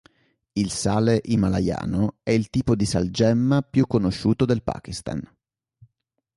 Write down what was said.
Il sale himalayano è il tipo di salgemma più conosciuto del Pakistan.